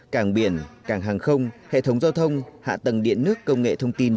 càng biển càng hàng không hệ thống giao thông hạ tầng điện nước công nghệ thông tin